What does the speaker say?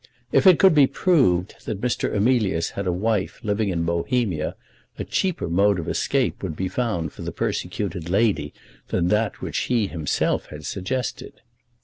If it could be proved that Mr. Emilius had a wife living in Bohemia, a cheaper mode of escape would be found for the persecuted lady than that which he himself had suggested.